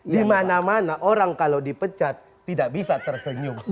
di mana mana orang kalau dipecat tidak bisa tersenyum